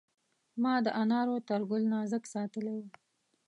ما د انارو تر ګل نازک ساتلی و.